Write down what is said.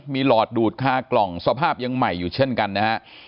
มีหลอดดูดคากล่องสภาพยังใหม่อยู่เช่นกันนะฮะ